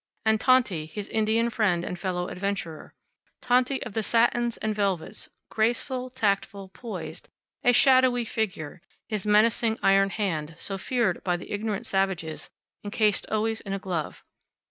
And Tonty, his Italian friend and fellow adventurer Tonty of the satins and velvets, graceful, tactful, poised, a shadowy figure; his menacing iron hand, so feared by the ignorant savages, encased always in a glove.